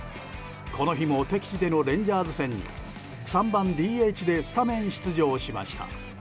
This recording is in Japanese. この日も敵地でのレンジャーズ戦に３番ＤＨでスタメン出場しました。